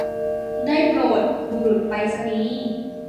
ได้โปรดบุรุษไปรษณีย์